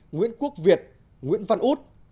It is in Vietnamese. nguyễn quốc việt nguyễn văn út